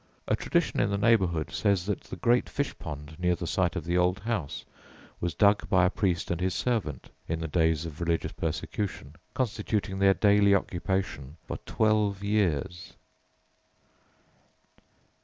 A tradition in the neighbourhood says that the great fish pond near the site of the old house was dug by a priest and his servant in the days of religious persecution, constituting their daily occupation for twelve years!